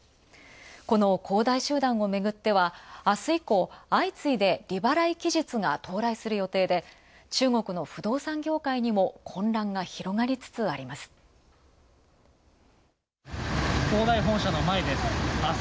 この恒大集団、明日以降相次いで利払い期日が到来する予定で、中国の不動産業界にも混乱が広がりつつあります。